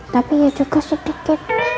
tapi ya juga sedikit